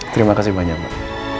terima kasih banyak pak